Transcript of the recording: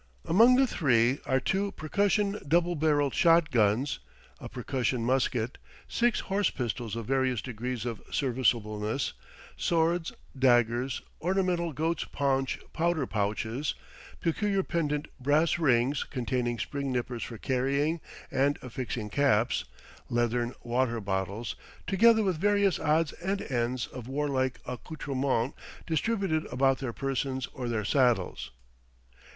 Among the three are two percussion double barrelled shot guns, a percussion musket, six horse pistols of various degrees of serviceableness, swords, daggers, ornamental goat's paunch powder pouches, peculiar pendent brass rings containing spring nippers for carrying and affixing caps, leathern water bottles, together with various odds and ends of warlike accoutrements distributed about their persons or their saddles.